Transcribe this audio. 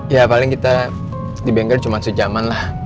ya paling kita di bengkel cuma sejaman lah